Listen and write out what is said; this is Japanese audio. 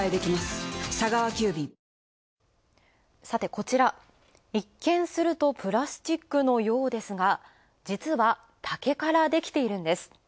こちら、一見するとプラスチックのようですが、実は、竹からできているんです。